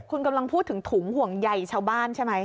คุณกำลังพูดถึงถุงห่วงใยชาวบ้านใช่ไหม